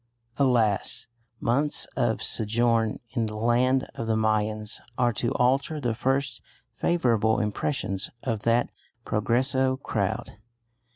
Alas! months of sojourn in the land of the Mayans are to alter the first favourable impressions of that Progreso crowd.